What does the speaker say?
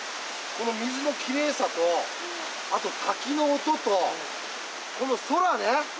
この水のきれいさとあと滝の音とこの空ね！